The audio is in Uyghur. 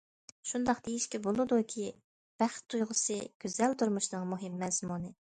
شۇنداق دېيىشكە بولىدۇكى،« بەخت تۇيغۇسى» گۈزەل تۇرمۇشنىڭ مۇھىم مەزمۇنى.